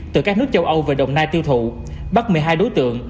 từ các nước châu âu về đồng nai tiêu thụ bắt một mươi hai đối tượng